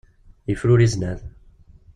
Yefruri zznad.